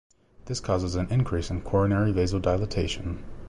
This causes an increase in coronary vasodilatation.